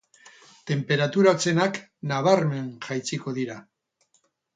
Temperatura hotzenak nabarmen jaitsiko dira.